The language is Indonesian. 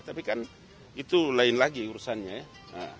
tapi kan itu lain lagi urusannya ya